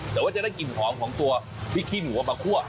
แต่ว่าจะได้กลิ่นหอมของตัวพริกขี้หนูเอามาคั่ว